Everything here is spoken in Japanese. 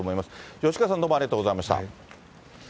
吉川さん、どうもありがとうございました。